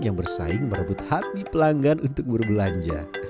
yang bersaing merebut hati pelanggan untuk berbelanja